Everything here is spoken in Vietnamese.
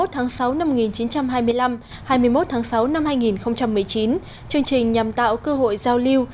hai mươi tháng sáu năm một nghìn chín trăm hai mươi năm hai mươi một tháng sáu năm hai nghìn một mươi chín chương trình nhằm tạo cơ hội giao lưu